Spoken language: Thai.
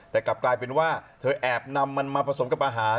แต่กลับกลายเป็นว่าเธอแอบนำมันมาผสมกับอาหาร